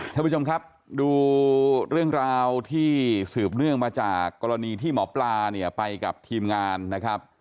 ท่านผู้ชมครับดูเรื่องราวที่สืบเนื่องมาจากกรณีที่หมอปลาเนี่ยไปกับทีมงานนะครับ